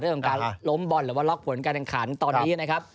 เรื่องของการล้มบอลหรือว่าล็อกผลการแข่งขันตอนนี้นะครับ